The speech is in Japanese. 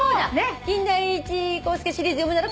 「金田一耕助シリーズを読むなら」